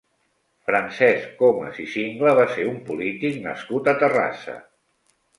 Francesc Comas i Singla va ser un polític nascut a Terrassa.